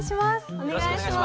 お願いします。